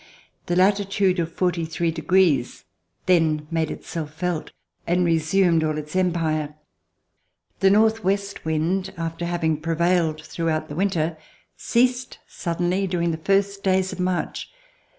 The latitude of forty three degrees then made itself felt and resumed all its empire. The northwest wind, after having prevailed throughout the winter, ceased suddenly during the first days of March.